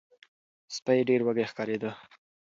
سپی ډیر وږی ښکاریده.